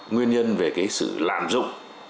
nguyên nhân về cái sự lạm dụng